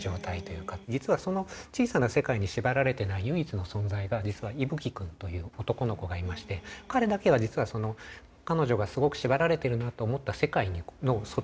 実はその小さな世界に縛られてない唯一の存在が実は伊吹くんという男の子がいまして彼だけは彼女がすごく縛られているなと思った世界の外側に平気でジャンプできる子。